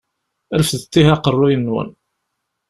Refdet ihi aqeṛṛu-nwen!